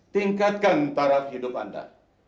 tingkatkan tarap hidup anda